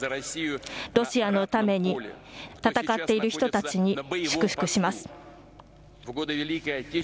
ロシアのために戦っている人たちに祝福します。